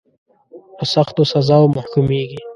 په سختو سزاوو محکومیږي.